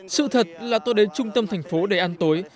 sự thật là tôi đến trung tâm thành phố để ăn tối